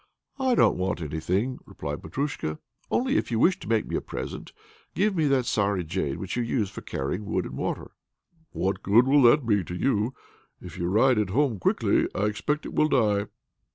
"I don't want anything," replied Petrusha. "Only, if you wish to make me a present, give me that sorry jade which you use for carrying wood and water." "What good will that be to you? If you ride it home quickly, I expect it will die!"